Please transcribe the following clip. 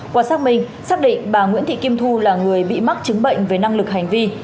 qua xác minh xác định bà nguyễn thị kim thu là người bị mắc chứng bệnh về năng lực hành vi